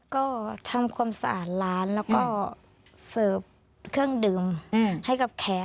ก็ทำความสะอาดร้านแล้วก็เสิร์ฟเครื่องดื่มให้กับแขน